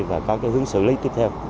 và có cái hướng xử lý tiếp theo